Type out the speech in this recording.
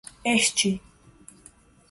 este